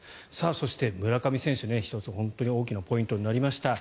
そして村上選手、１つ大きなポイントになりました。